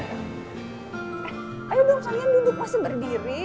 eh ayo dong kalian duduk masih berdiri